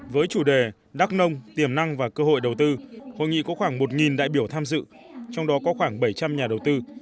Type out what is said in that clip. với chủ đề đắk nông tiềm năng và cơ hội đầu tư hội nghị có khoảng một đại biểu tham dự trong đó có khoảng bảy trăm linh nhà đầu tư